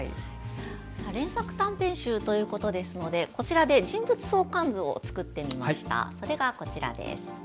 連作短編集ということですので人物相関図を作ってみました。